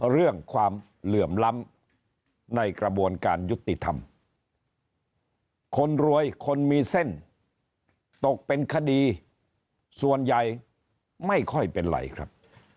เรื่องความเหลื่อมล้ำในกระบวนการยุติธรรมคนรวยคนมีเส้นตกเป็นคดีส่วนใหญ่ไม่ค่อยเป็นไรครับ